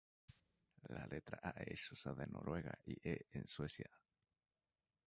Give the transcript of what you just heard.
La letra "æ" es usada en Noruega, y "ä" en Suecia.